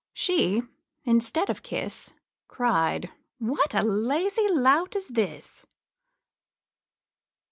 She, instead of kiss, Cried, 'What a lazy lout is this!'